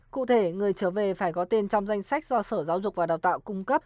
cụ thể người trở về phải có tên trong danh sách do sở giáo dục và đào tạo cung cấp